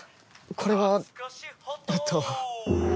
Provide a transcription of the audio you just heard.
これはえっと。